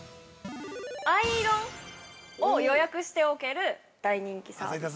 ◆アイロンを予約しておける大人気サービス。